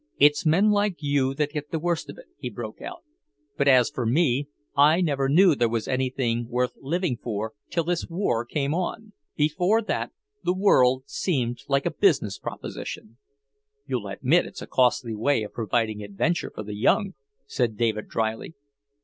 "It's men like you that get the worst of it," he broke out. "But as for me, I never knew there was anything worth living for, till this war came on. Before that, the world seemed like a business proposition." "You'll admit it's a costly way of providing adventure for the young," said David drily.